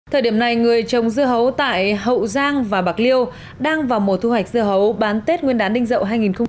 thời điểm này người trồng dưa hấu tại hậu giang và bạc liêu đang vào mùa thu hoạch dưa hấu bán tết nguyên đán ninh dậu hai nghìn hai mươi